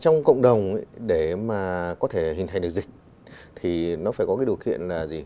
trong cộng đồng để mà có thể hình thành được dịch thì nó phải có cái điều kiện là gì